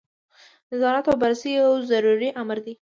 نظارت او بررسي یو ضروري امر دی.